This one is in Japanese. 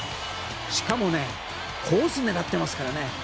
しかもコースを狙ってますからね。